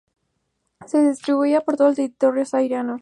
Se distribuía por todo el territorio sahariano.